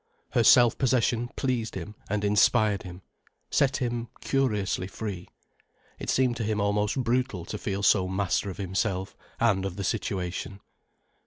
Her self possession pleased him and inspired him, set him curiously free. It seemed to him almost brutal to feel so master of himself and of the situation.